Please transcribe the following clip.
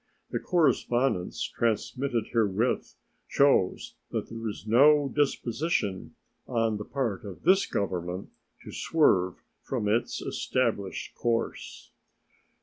The correspondence transmitted herewith shows that there is no disposition on the part of this Government to swerve from its established course.